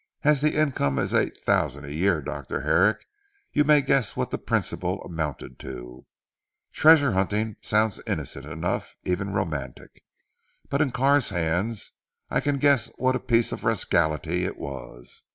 As the income is eight thousand a year Dr. Herrick, you may guess what the principal amounted to. Treasure hunting sounds innocent enough, even romantic, but in Carr's hands I can guess what a piece of rascality it was.